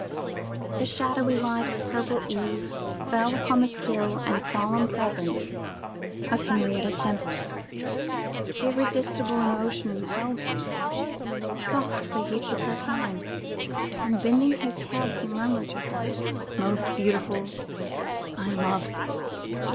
The shadowy light of purple eve fell upon the still and solemn presence of Henrietta Temple. Irresistible emotion impelled him; softly he took her gentle hand, and, bending his head, he murmured to her, 'Most beautiful, I love thee!